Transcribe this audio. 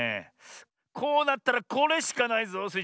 こうなったらこれしかないぞスイ